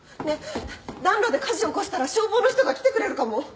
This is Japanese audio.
ねえ暖炉で火事起こしたら消防の人が来てくれるかも。